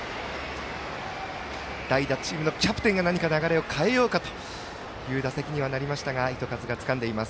代打、チームのキャプテンが何か流れを変えようかという打席になりましたが糸数がつかんでいます。